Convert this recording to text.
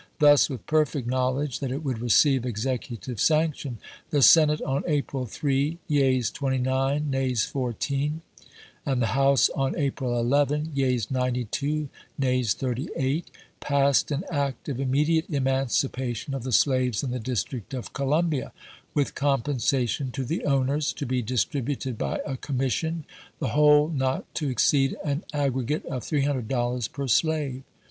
Thus, with perfect knowledge that it would receive Executive sanction, the Senate on April 3 (yeas, 29; nays, 14), and the House on April 11 (yeas, 92 ; nays, 38), passed an act of immediate emanci pation of the slaves in the District of Columbia, with compensation to the owners, to be distributed by a commission, the whole not to exceed an aggre gate of $300 per slave.